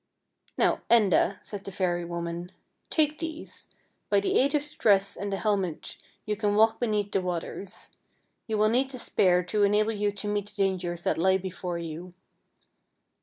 " Now, Enda," said the fairy woman, " take these; by the aid of the dress and the helmet you can walk beneath the waters. You will need the spear to enable you to meet the dangers that lie before you.